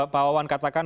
pak wawan katakan